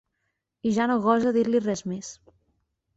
I ja no gosa dir-li res més.